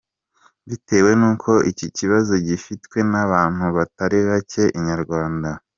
Bitewe n’uko iki kibazo gifitwe n’abantu batari bacye, Inyarwanda.